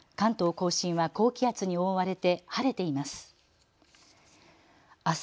甲信は高気圧に覆われて晴れています。